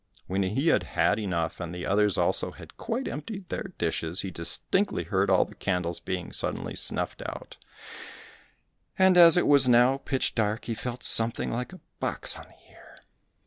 When he had had enough, and the others also had quite emptied their dishes, he distinctly heard all the candles being suddenly snuffed out, and as it was now pitch dark, he felt something like a box on the ear.